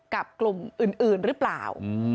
กับกลุ่มอื่นหรือเปล่า